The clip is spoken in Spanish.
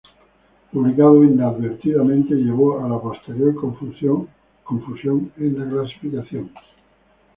Publicado inadvertidamente, llevó a la posterior confusión en la clasificación.